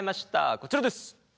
こちらです。